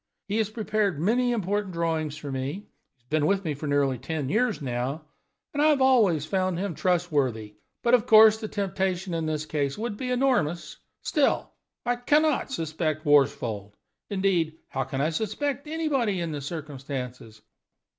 He has prepared many important drawings for me (he has been with me nearly ten years now), and I have always found him trustworthy. But, of course, the temptation in this case would be enormous. Still, I can not suspect Worsfold. Indeed, how can I suspect anybody in the circumstances?"